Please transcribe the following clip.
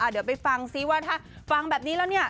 เดี๋ยวไปฟังซิว่าถ้าฟังแบบนี้แล้วเนี่ย